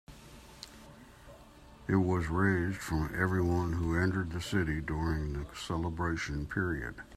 It was raised from everyone who entered the city during the celebration period.